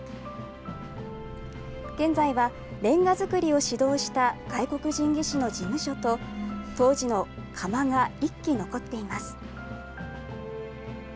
現在はれんが作りを指導した外国人技師の事務所と、当時の窯が１基残っています。